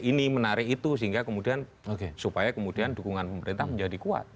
ini menarik itu sehingga kemudian supaya kemudian dukungan pemerintah menjadi kuat